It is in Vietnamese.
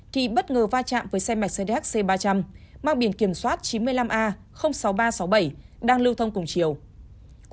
thì bất ngờ va chạm với xe mạch cdc ba trăm linh mang biển kiểm soát chín mươi năm a sáu nghìn ba trăm sáu mươi bảy đang lưu thông cùng chiều